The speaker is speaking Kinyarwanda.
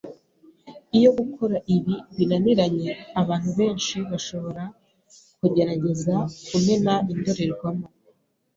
Iyo gukora ibi binaniranye, abantu benshi bashobora kugerageza kumena indorerwamo